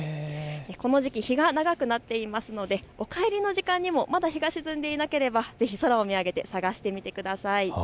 この時期、日が長くなっていますのでお帰りの時間にもまだ日が沈んでいなければ、ぜひ空を見上げて探してみてください。